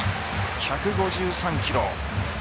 １５３キロ。